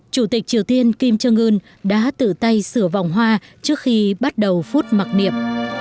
chủ tịch triều tiên kim jong un đã tự tay sửa vòng hoa trước khi bắt đầu phút mặc niệm